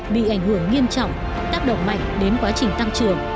bị ảnh hưởng nghiêm trọng tác động mạnh đến quá trình tăng trưởng